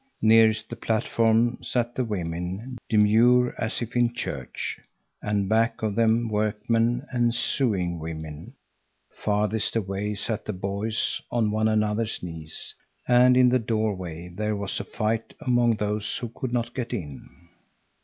Nearest the platform sat the women, demure as if in church, and back of them workmen and sewing women. Farthest away sat the boys on one another's knees, and in the door way there was a fight among those who could not get in.